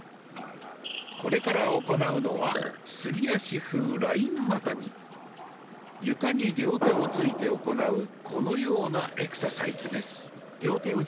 これから行うのは床に両手をついて行うこのようなエクササイズです。